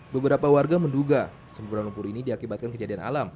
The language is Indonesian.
beberapa warga menduga semburan lumpur ini diakibatkan kejadian alam